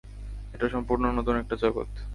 এটা সম্পূর্ণ নতুন একটা জগত।